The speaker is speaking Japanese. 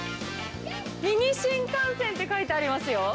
ミニ新幹線って書いてありますよ。